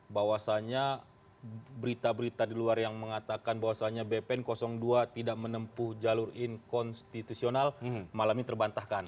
bahwasannya berita berita di luar yang mengatakan bahwasannya bpn dua tidak menempuh jalur inkonstitusional malam ini terbantahkan